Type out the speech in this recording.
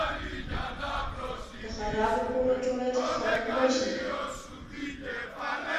د خرابو کورو جوړښت خلک وژني.